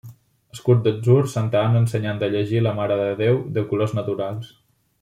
Escut d'atzur, Santa Anna ensenyant de llegir la Mare de Déu, de colors naturals.